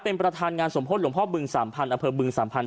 เป็นประธานงานสมโพธิ์หลวงพ่อบึงสามพันธุ์อเภอบึงสามพันธุ์